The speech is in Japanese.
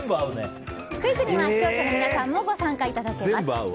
クイズには視聴者の皆さんもご参加いただけます。